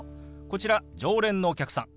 こちら常連のお客さん。